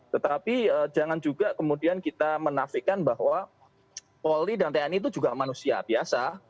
tetapi jangan juga kemudian kita menafikan bahwa polri dan tni itu juga manusia biasa